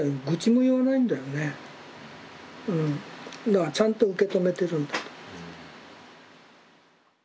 だからちゃんと受け止めてるんだと思います。